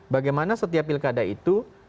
bagaimana setiap pilkada itu